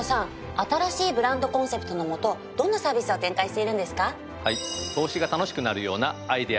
新しいブランドコンセプトのもとどんなサービスを展開しているんですか？